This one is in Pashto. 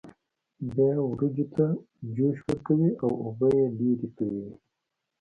بیا وریجو ته جوش ورکوي او اوبه یې لرې تویوي.